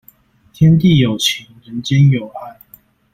天地有情，人間有愛